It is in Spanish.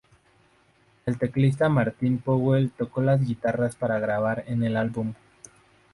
El teclista Martin Powell tocó las guitarras para grabar en el álbum.